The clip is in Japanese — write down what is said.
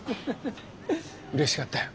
うれしかったよ。